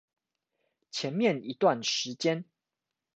前面一段時間